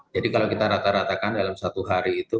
jadi kalau kita rata ratakan dalam satu hari itu